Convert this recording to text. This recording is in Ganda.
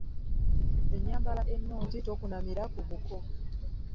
Ennyambala ennungi, tokunamira ku buko.